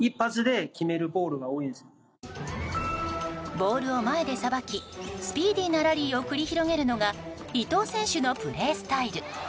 ボールを前でさばきスピーディーなラリーを繰り広げるのが伊藤選手のプレースタイル。